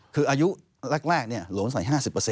คืออายุแรกหลวงใส่๕๐